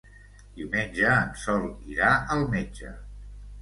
Diumenge en Sol irà al metge.